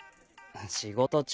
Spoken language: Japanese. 仕事中。